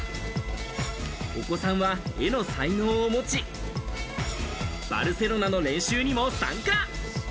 お子さんは絵の才能を持ち、バルセロナの練習にも参加。